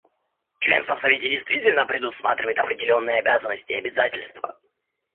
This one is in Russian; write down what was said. Членство в Совете действительно предусматривает определенные обязанности и обязательства.